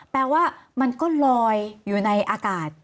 แปลว่ามันก็ลอยอยู่ในอากาศ